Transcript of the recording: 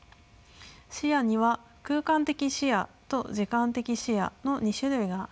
視野には空間的視野と時間的視野の２種類があります。